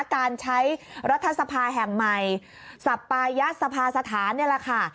การใช้รัฐสภาแห่งใหม่สัปปายะสภาสถานนี่แหละค่ะ